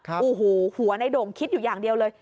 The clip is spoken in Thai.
โอ้โหหัวในโด่งคิดอยู่อย่างเดียวเลย